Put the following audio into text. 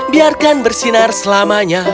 biarkan bersinar selamanya